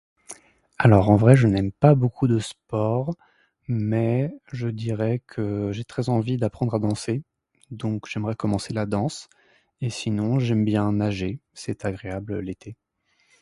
Alors, en vrai je n'aime pas beaucoup le sport. Mais je dirais que j'ai très envie d'apprendre à danser. Donc j'aimerais commencer la danse. Et sinon j'aime bien nager, c'est agréable l'été.